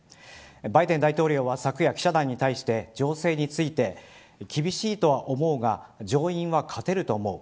バイデン大統領は昨夜記者団に対して、情勢について厳しいとは思うが上院は勝てると思う。